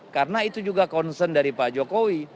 karena itu juga concern dari pak jokowi